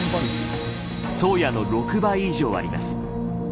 「宗谷」の６倍以上あります。